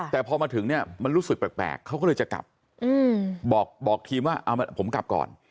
แต่พอมาถึงเนี่ยมันรู้สึกแปลกเขาก็เลยจะกลับบอกทีมว่าผมกลับก่อน